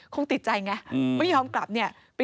คงติดใจเนี่ยไม่ยอมกลับไปดื่มกาแฟ